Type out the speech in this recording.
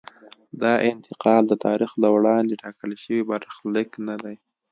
دا انتقال د تاریخ له وړاندې ټاکل شوی برخلیک نه دی.